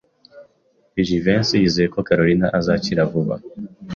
Jivency yizeye ko Kalorina azakira vuba.